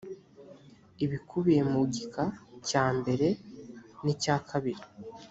ibikubiye mu gika cya mbere n icyakabiri